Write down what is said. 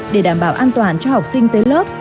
để đảm bảo an toàn cho học sinh tới lớp